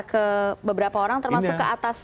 ke beberapa orang termasuk ke atas